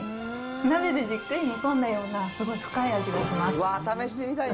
鍋でじっくり煮込んだようなすごい深い味がします。